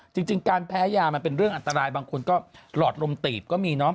จริงการแพ้ยามันเป็นเรื่องอันตรายบางคนก็หลอดลมตีบก็มีเนาะ